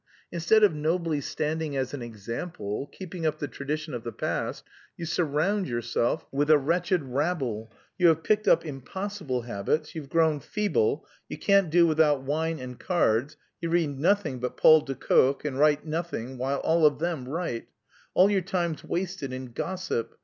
Instead of nobly standing as an example, keeping up the tradition of the past, you surround yourself with a wretched rabble, you have picked up impossible habits, you've grown feeble, you can't do without wine and cards, you read nothing but Paul de Kock, and write nothing, while all of them write; all your time's wasted in gossip.